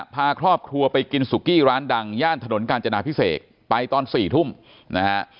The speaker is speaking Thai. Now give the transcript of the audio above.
พาครอบครัวไปกินสุกี้ร้านดังย่านถนนกาญจนาพิเศษไปตอน๔ทุ่มนะฮะ